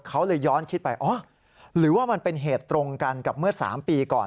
เขาเลยย้อนคิดไปอ๋อหรือว่ามันเป็นเหตุตรงกันกับเมื่อ๓ปีก่อน